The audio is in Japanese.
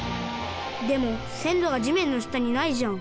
でもせんろがじめんのしたにないじゃん。